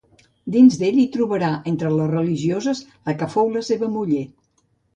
Dins d'ell hi trobarà entre les religioses la que fou la seva muller.